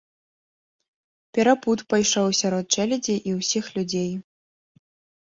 Перапуд пайшоў сярод чэлядзі і ўсіх людзей.